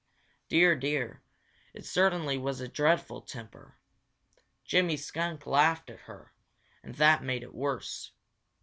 Dear, dear, it certainly was a dreadful temper! Jimmy Skunk laughed at her, and that made it worse.